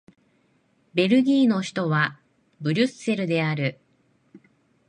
ベルギーの首都はブリュッセルである